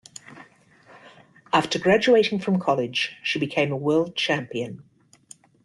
After graduating from college, she became a world champion.